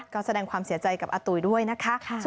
ก็แสดงความเสียใจกับอาตุ๋ยด้วยนะคะ